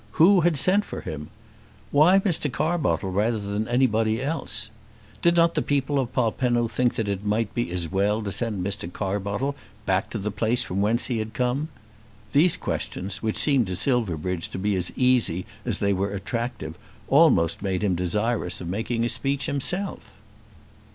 Who had sent for him? Why Mr. Carbottle rather than anybody else? Did not the people of Polpenno think that it might be as well to send Mr. Carbottle back to the place from whence he had come? These questions, which seemed to Silverbridge to be as easy as they were attractive, almost made him desirous of making a speech himself.